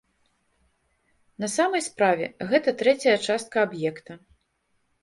На самай справе, гэта трэцяя частка аб'екта.